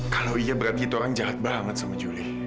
kalau iya berarti itu orang jahat banget sama julie